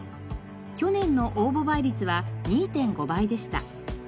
去年の応募倍率は２．５倍でした。